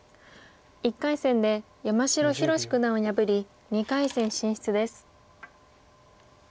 １回戦で山城宏九段を破り２回戦進出です。